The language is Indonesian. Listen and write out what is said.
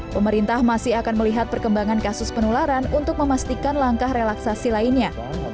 pemerintah masih akan melihat perkembangan kasus penularan untuk memastikan langkah relaksasi lainnya